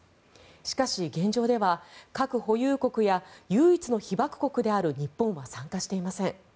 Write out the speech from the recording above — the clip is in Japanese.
しかし、現状では核保有国や唯一の被爆国である日本は参加していません。